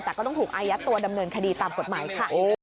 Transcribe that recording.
แต่ก็ต้องถูกอายัดตัวดำเนินคดีตามกฎหมายค่ะ